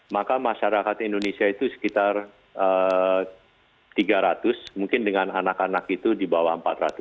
maka masyarakat indonesia itu sekitar tiga ratus mungkin dengan anak anak itu di bawah empat ratus